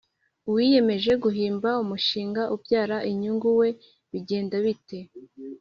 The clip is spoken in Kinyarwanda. uwiyemeje guhimba umushinga ubyara inyungu we bigenda bite?